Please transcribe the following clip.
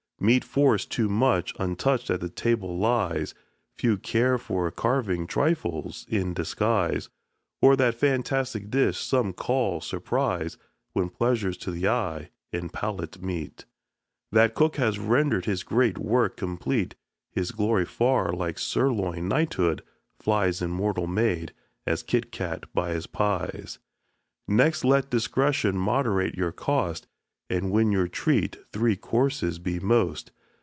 Meat forced too much, untouch'd at table lies; Few care for carving trifles in disguise, Or that fantastic dish some call surprise. When pleasures to the eye and palate meet, That cook has render'd his great work complete; His glory far, like _sirloin knighthood_[xi 1] flies Immortal made, as Kit cat by his pies. Next, let discretion moderate your cost, And when you treat, three courses be the most.